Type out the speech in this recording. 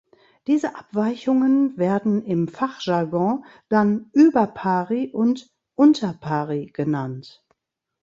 Diese Abweichungen werden im Fachjargon dann „über pari“ und „unter pari“ genannt.